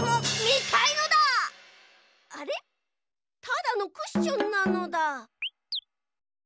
ただのクッションなのだ。